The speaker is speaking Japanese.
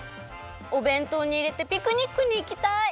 おべんとうにいれてピクニックにいきたい！